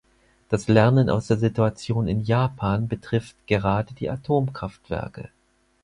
Das Lernen aus der Situation in Japan betrifft gerade die Atomkraftwerke.